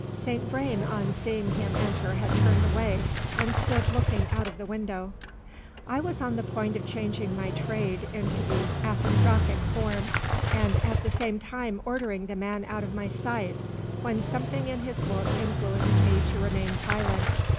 Saint Vrain on seeing him enter had turned away, and stood looking out of the window. I was on the point of changing my tirade into the apostrophic form, and at the same time ordering the man out of my sight, when something in his look influenced me to remain silent.